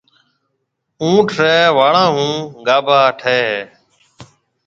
اُونٺ ريَ واݪون هون گاڀا ٺهيَ هيَ۔